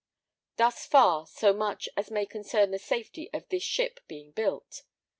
Thus far so much as may concern the safety of this ship being built.